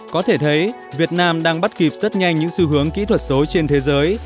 có thể thấy việt nam đang bắt kịp rất nhanh những xu hướng kỹ thuật số trên thế giới